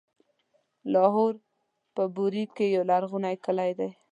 لاهور په بوري کې يو لرغونی کلی دی.